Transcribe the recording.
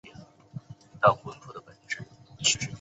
父亲是海员。